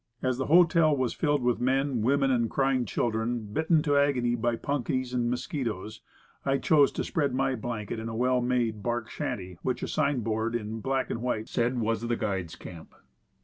As the hotel was filled with men, women and crying children, bitten to agony by punkies and mosquitoes, I chose to spread my blanket in a well made bark shanty, which a sign board in black and white said was the "Guides' Camp."